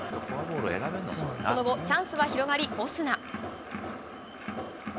その後、チャンスは広がりオスナ。